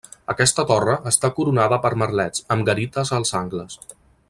Aquesta torre està coronada per merlets, amb garites als angles.